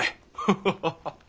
ハハハハ。